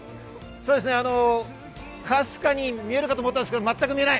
かすかに見えるかと思ったんですけれど全く見えない。